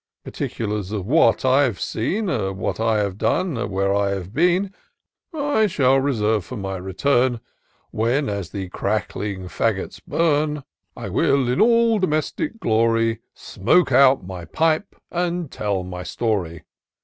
Particulars of what I've seen. What I have done, where I have been, I shall reserve for my return. When, as the crackling faggots burn, I will, in aD domestic glory. Smoke out my pipe, and tell my story.